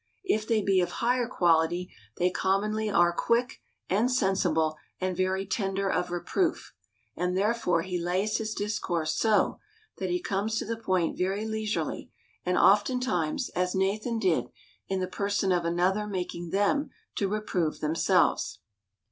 If they be of higher quality, they commonly are quick, and sensible, and very tender of reproof ; and therefore he lays his dis course so, that he comes to the point very leisurely ; and oftentimes, as Nathan did, in the person of another making them to reprove themselves.